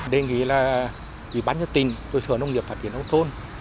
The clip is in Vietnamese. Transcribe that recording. đề nghị là vì bán nhất tình tôi sở nông nghiệp phát triển nông thôn